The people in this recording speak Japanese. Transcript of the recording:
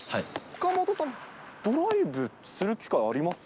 岡本さん、ドライブする機会あります？